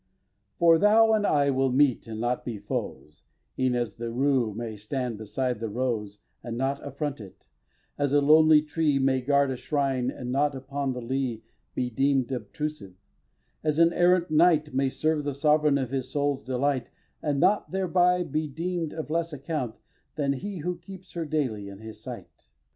xvi. For thou and I will meet and not be foes, E'en as the rue may stand beside the rose And not affront it, as a lonely tree May guard a shrine and not upon the lea Be deem'd obtrusive, as an errant knight May serve the sovereign of his soul's delight And not, thereby, be deem'd of less account Than he who keeps her daily in his sight.